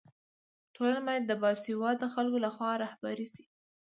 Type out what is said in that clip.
ټولنه باید د باسواده خلکو لخوا رهبري سي.